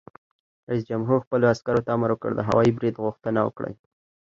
رئیس جمهور خپلو عسکرو ته امر وکړ؛ د هوايي برید غوښتنه وکړئ!